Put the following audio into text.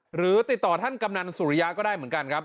หรือติดต่อท่านกำนันสุริยะก็ได้เหมือนกันครับ